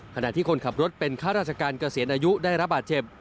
ขณะที่คนขับรถเป็นข้าราชการเกษียณอายุได้รับบาดเจ็บ